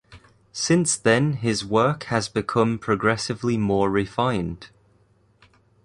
Since then his work has become progressively more refined.